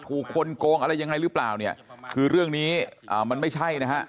ถูกคนโกงอะไรยังไงหรือเปล่าเนี่ยคือเรื่องนี้มันไม่ใช่นะฮะ